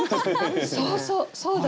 そうそうそうです。